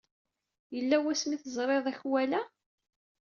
Yella wasmi ay teẓrid akwala?